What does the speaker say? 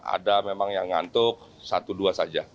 ada memang yang ngantuk satu dua saja